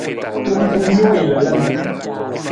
Tong ku wii wii lalan.